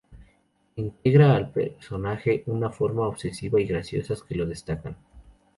Integra al personaje una forma obsesiva y graciosas, que lo destacan.